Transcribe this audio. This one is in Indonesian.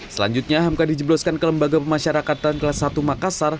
selanjutnya hamka dijebloskan ke lembaga pemasyarakatan kelas satu makassar